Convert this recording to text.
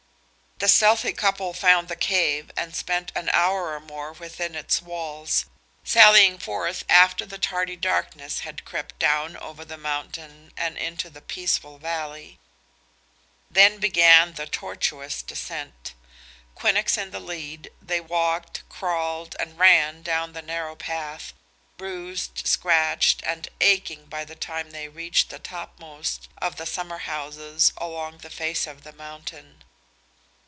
The stealthy couple found the cave and spent an hour or more within its walls, sallying forth after the tardy darkness had crept down over the mountain and into the peaceful valley. Then began the tortuous descent. Quinnox in the lead, they walked, crawled and ran down the narrow path, bruised, scratched and aching by the time they reached the topmost of the summer houses along the face of the mountain.